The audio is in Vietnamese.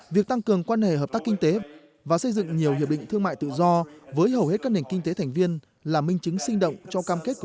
việc tăng cường quan hệ hợp tác kinh tế và xây dựng nhiều hiệp định thương mại tự do với hầu hết các nền kinh tế thành viên là minh chứng sinh động cho cam kết của